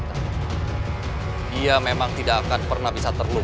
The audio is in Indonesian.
dia memang tidak akan pernah bisa terluka